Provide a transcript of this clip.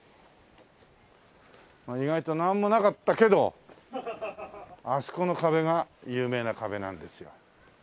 意外となんもなかったけど。あそこの壁が有名な壁なんですよ。